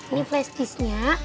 ini flash disknya